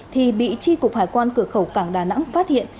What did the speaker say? thì bị tri cục hải quan cửa khẩu cảng đà nẵng phát hiện